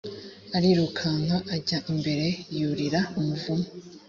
arirukanka ajya imbere yurira umuvumu